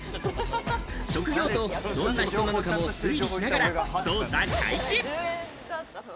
職業とどんな人なのかも推理しながら捜査開始。